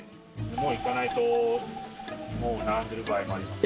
もう行かないともう並んでる場合もあります。